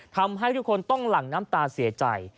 ทำให้ทุกคนต้องหลั่งน้ำตาเสียใจ